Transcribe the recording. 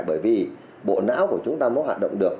bởi vì bộ não của chúng ta mới hoạt động được